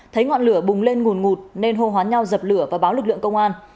thấy ngọn lửa bùng lên nguồn ngụt nên hô hoán nhau dập lửa và báo lực lượng công an